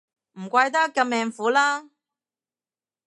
唔怪得咁命苦啦